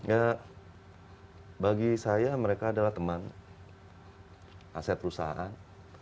ya bagi saya mereka adalah teman aset perusahaan